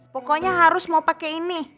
pokoknya harus mau pakai ini